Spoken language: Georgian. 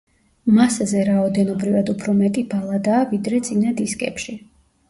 მასზე რაოდენობრივად უფრო მეტი ბალადაა, ვიდრე წინა დისკებში.